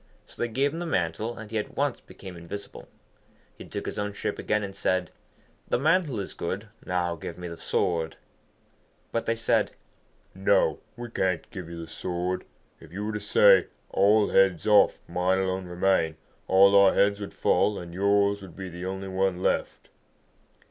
So they gave him the mantle, and he at once became invisible. He took his own shape again, and said, 'The mantle is good; now give me the sword.' But they said, 'No, we can't give you the sword. If you were to say, "All heads off, mine alone remain," all our heads would fall, and yours would be the only one left.'